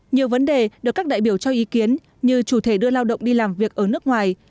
nhiều vấn đề được các đại biểu cho ý kiến như chủ thể đưa lao động đi làm việc ở nước ngoài